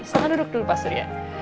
selamat duduk dulu pak surya